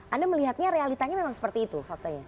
anda melihatnya realitanya memang seperti itu faktanya